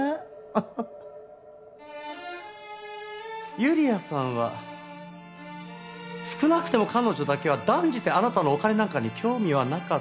ユリアさんは少なくとも彼女だけは断じてあなたのお金なんかに興味はなかった。